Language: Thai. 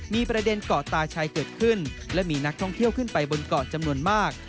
มีประเด็นเกาะตาชัยเกิดขึ้นและมีนักท่องเที่ยวขึ้นไปบนเกาะจำนวนมาก